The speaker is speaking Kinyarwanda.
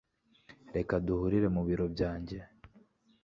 Reka duhurire mu biro byanjye